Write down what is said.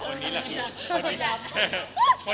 คนดำ